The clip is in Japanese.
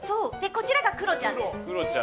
こちらがクロちゃんです。